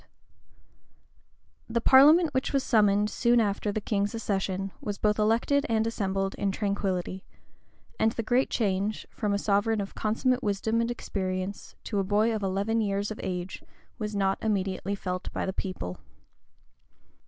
} THE parliament which was summoned soon after the king's accession, was both elected and assembled in tranquillity; and the great change, from a sovereign of consummate wisdom and experience to a boy of eleven years of age, was not immediately felt by the people.